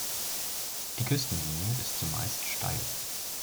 Die Küstenlinie ist zumeist steil.